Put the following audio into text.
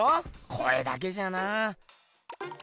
声だけじゃな。